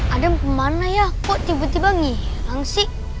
adam kemana ya kok tiba tiba nyerang sih